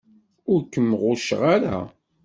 Ur kem-ɣucceɣ ara.